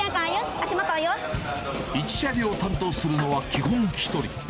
１車両を担当するのは基本１人。